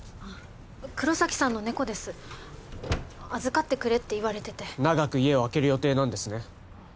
黒崎さんの猫です預かってくれって言われてて長く家を空ける予定なんですね